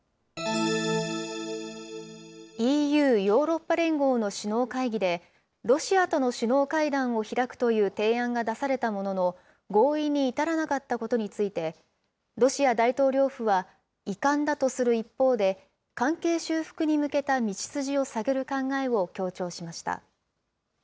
ＥＵ・ヨーロッパ連合の首脳会議で、ロシアとの首脳会談を開くという提案が出されたものの、合意に至らなかったことについて、ロシア大統領府は、遺憾だとする一方で、関係修復に向けた道筋を探る考えを強調しました。